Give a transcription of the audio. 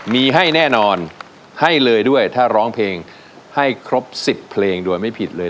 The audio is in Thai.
มีให้แน่นอนให้เลยด้วยถ้าร้องเพลงให้ครบ๑๐เพลงโดยไม่ผิดเลย